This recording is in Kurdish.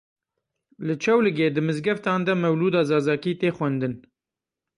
Li Çewligê di mizgeftan de mewlûda Zazakî tê xwendin.